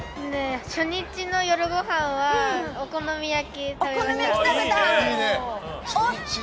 初日の夜ごはんはお好み焼き食べました。